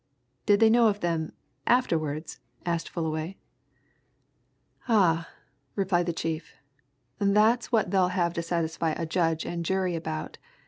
"Did they know of them afterwards?" asked Fullaway. "Ah!" replied the chief. "That's what they'll have to satisfy a judge and jury about!